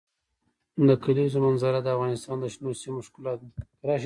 د کلیزو منظره د افغانستان د شنو سیمو ښکلا ده.